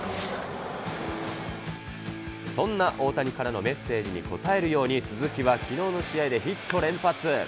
そんな大谷からのメッセージに応えるように、鈴木はきのうの試合でヒット連発。